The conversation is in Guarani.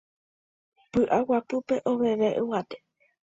py'aguapýpe oveve yvate